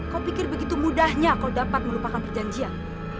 kau pikir begitu mudahnya kau dapat melupakan perjanjian